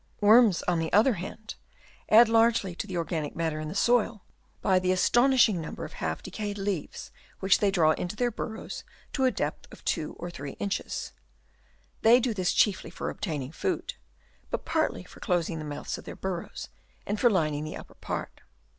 Worms, on the other hand, add largely to the organic matter in the soil by the astonish ing number of half decayed leaves which they draw into their burrows to a depth of 2 or 3 inches. They do this chiefly for obtain ing food, but partly for closing the mouths of their burrows and for lining the upper part.